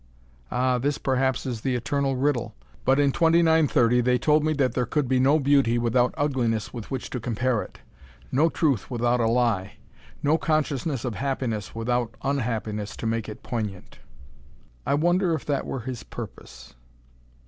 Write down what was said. Ah, this perhaps is the Eternal Riddle! But, in 2930, they told me that there could be no beauty without ugliness with which to compare it; no truth without a lie; no consciousness of happiness without unhappiness to make it poignant. I wonder if that were His purpose....